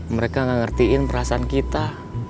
mereka gak ngertiin perasaan kita